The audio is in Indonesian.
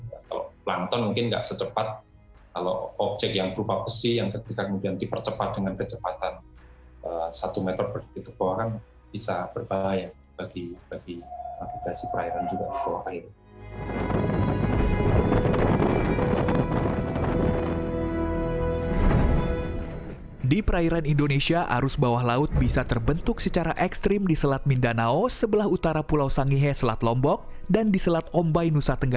kalau pelangton mungkin tidak secepat kalau objek yang berupa besi yang ketika kemudian dipercepat dengan kecepatan satu meter per detik ke bawah kan bisa berbahaya bagi navigasi perairan juga